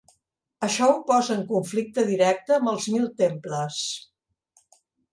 Això ho posa en conflicte directe amb els Mil Temples.